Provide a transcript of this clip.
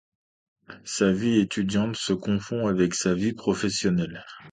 Sa vie étudiante se confond avec sa vie professionnelle.